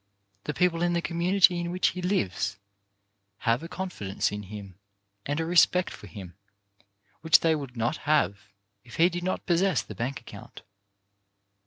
The people in the community in which he lives have a confi dence in him and a respect for him which they would not have if he did not possess the bank account.